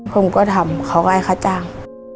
ผมก็ทำเขาก็ไข่ค่าจัง